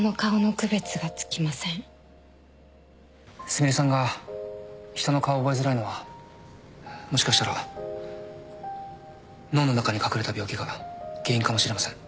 すみれさんが人の顔を覚えづらいのはもしかしたら脳の中に隠れた病気が原因かもしれません